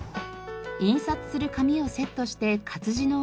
印刷する紙をセットして活字の上に。